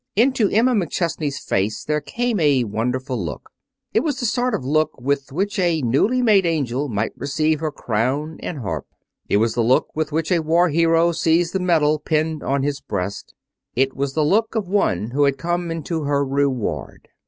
Into Emma McChesney's face there came a wonderful look. It was the sort of look with which a newly made angel might receive her crown and harp. It was the look with which a war hero sees the medal pinned on his breast. It was the look of one who has come into her Reward.